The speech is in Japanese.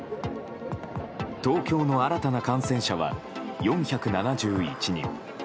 東京の新たな感染者は４７１人。